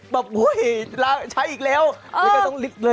บาบว่าว้าวล้างอีกแล้วเออ